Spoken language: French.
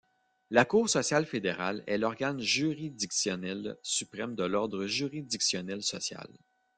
La Cour sociale fédérale est l’organe juridictionnel suprême de l’ordre juridictionnel social.